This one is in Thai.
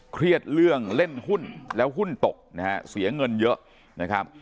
เครียดเรื่องเล่นหุ้นแล้วหุ้นตกนะฮะเสียเงินเยอะนะครับ